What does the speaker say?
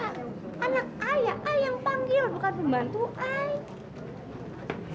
anak ayah yang panggil bukan pembantu ayah